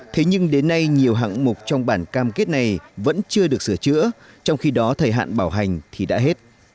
thế nhưng đến nay nhiều hạng mục trong bản cam kết này vẫn chưa được sửa chữa trong khi đó thời hạn bảo hành thì đã hết